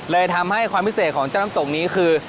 ทำให้ความพิเศษของเจ้าน้ำตกนี้คือ